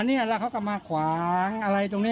อันนี้อะไรเขาก็มาขวางอะไรตรงนี้